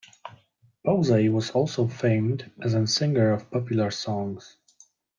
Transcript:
Bose was also famed as an singer of popular songs.